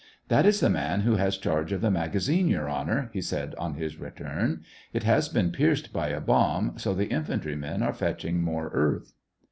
" That is the man who has charge of the maga zine. Your Honor! " he said, on his return. It has been pierced by a bomb, so the infantry men are fetching more earth."